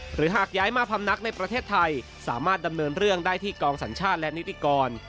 หากย้ายมาพำนักในประเทศไทยสามารถดำเนินเรื่องได้ที่กองสัญชาติและนิติกร